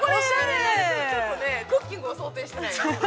◆クッキングを想定していないので。